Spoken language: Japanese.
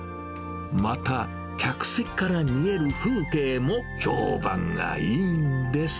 また、客席から見える風景も評判がいいんです。